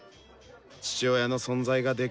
父親の存在がで